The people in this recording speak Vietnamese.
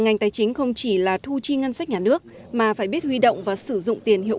ngành tài chính không chỉ là thu chi ngân sách nhà nước mà phải biết huy động và sử dụng tiền hiệu